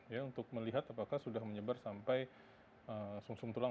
ya untuk melihat apakah sudah menyebar sampai sungsum tulang